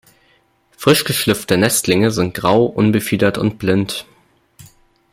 Frisch geschlüpfte Nestlinge sind grau, unbefiedert und blind.